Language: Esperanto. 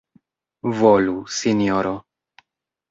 Volu, sinjoro.